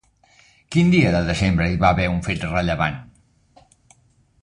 Quin dia de desembre hi va haver un fet rellevant?